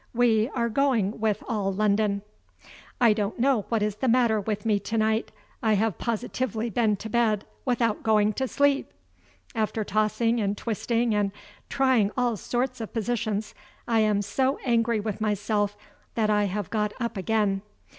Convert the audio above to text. We are going with all London. ....... I don't know what is the matter with me tonight. I have positively been to bed, without going to sleep! After tossing and twisting and trying all sorts of positions, I am so angry with myself that I have got up again.